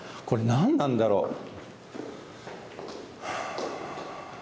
これ何なんだろう？